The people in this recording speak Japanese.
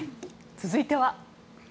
続いては。